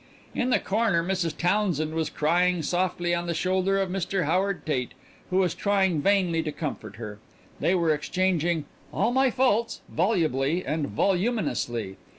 In the corner Mrs. Townsend was crying softly on the shoulder of Mr. Howard Tate, who was trying vainly to comfort her; they were exchanging "all my fault's" volubly and voluminously.